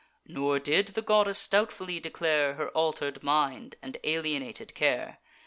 Nor did the goddess doubtfully declare Her alter'd mind and alienated care.